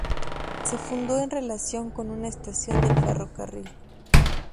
Se fundó en relación con una estación del ferrocarril.